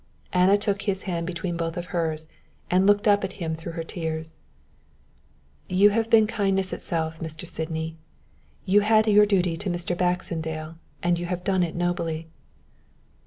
Anna took his hand between both of hers and looked up at him through her tears. "You have been kindness itself, Mr. Sydney. You had your duty to Mr. Baxendale and you have done it nobly."